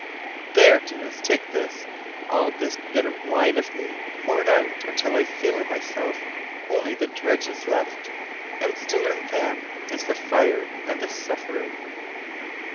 There, dearest, take this, all this bitter wine of me poured out until I feel in myself only the dregs left: and still in them is the fire and the suffering.